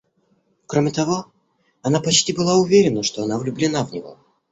Кроме того, она почти была уверена, что она влюблена в него.